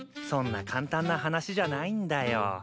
そんな簡単な話じゃないんだよ。